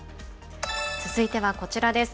続いてはこちらです。